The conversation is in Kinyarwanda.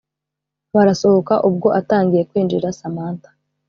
barasohoka ubwo atangiye kwinjira samantha